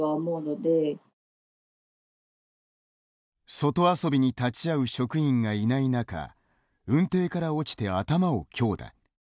外遊びに立ち会う職員がいない中うんていから落ちて頭を強打。